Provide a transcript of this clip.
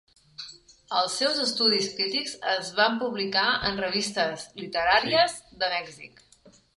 Els seus estudis crítics es van publicar en revistes literàries de Mèxic.